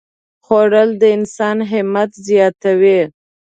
خوړل د انسان همت زیاتوي